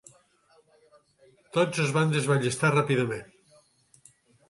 Tots es van desballestar ràpidament.